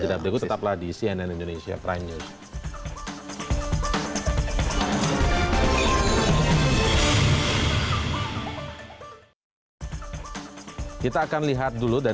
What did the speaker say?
jadwal deku tetaplah di cnn indonesia prime news